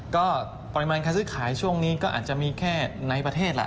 ก็ปริมาณการซื้อขายช่วงนี้ก็อาจจะมีแค่ในประเทศล่ะ